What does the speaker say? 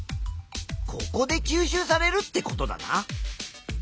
ここで吸収されるってことだな。